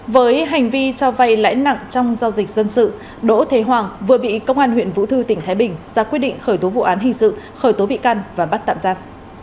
với hành vi cho vay lãi nặng trong giao dịch dân sự đỗ thế hoàng vừa bị công an huyện vũ thư tỉnh thái bình ra quyết định khởi tố vụ án hình sự khởi tố bị can và bắt tạm giam